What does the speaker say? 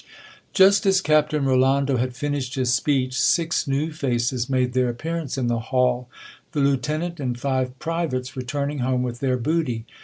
Just as Captain Rolando had finished his speech six new faces made their appearance in the hall ; the lieutenant and five privates returning home with their booty.